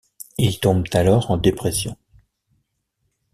Il tombe alors en dépression.